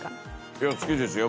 いや好きですよ